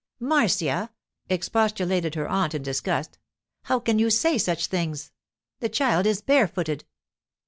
'Marcia!' expostulated her aunt in disgust. 'How can you say such things? The child is barefooted.